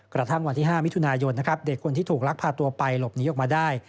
กระทั่งวันที่๕มิถุนายนนะครับเด็กคนที่ถูกลักพาตัวไปหลบหนีออกมาได้